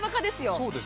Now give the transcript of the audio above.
そうですか。